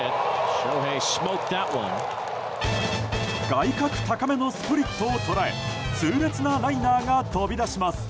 外角高めのスプリットを捉え痛烈なライナーが飛び出します。